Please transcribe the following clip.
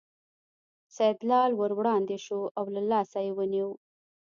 سیدلال ور وړاندې شو او له لاسه یې ونیو.